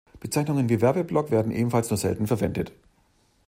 Bezeichnungen wie Werbeblock werden ebenfalls nur selten verwendet.